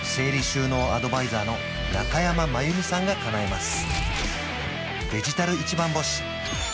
収納アドバイザーの中山真由美さんがかなえます